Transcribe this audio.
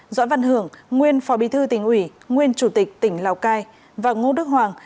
doãn văn hưởng nguyên phó bí thư tỉnh ủy nguyên chủ tịch tỉnh lào cai và ngô đức hoàng